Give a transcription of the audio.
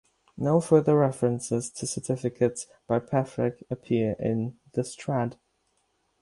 No further references to certificates by Petherick appear in "The Strad".